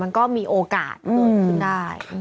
มันก็มีโอกาสได้